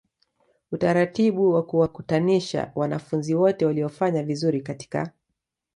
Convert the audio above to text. utaratibu wakuwakutanisha wanafunzi wote waliofanya vizuri katika